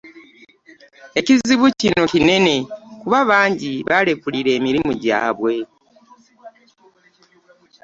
Ekizibu kino kinene kuba bangi baalekulira emirimu gyabwe.